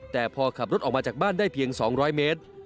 แต่พอขับรถออกมาจากบ้านได้เพียง๒๐๐เมตร